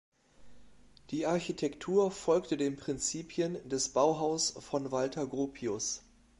Die Architektur folgte den Prinzipien des Bauhaus von Walter Gropius.